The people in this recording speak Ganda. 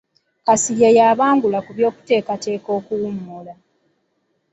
Kasirye yabangula ku by’okuteekateeka okuwummula.